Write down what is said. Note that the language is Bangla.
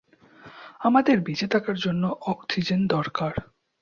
আমাদের বেঁচে থাকার জন্য অক্সিজেন দরকার।